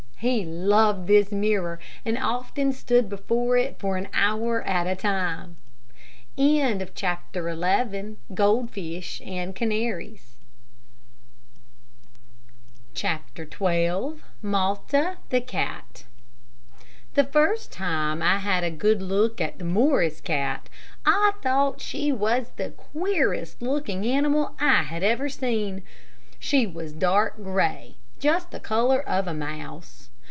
He loved this mirror, and often stood before it for an hour at a time. CHAPTER XII MALTA, THE CAT The first time I had a good look at the Morris cat, I thought she was the queerest looking animal I had ever seen. She was dark gray just the color of a mouse.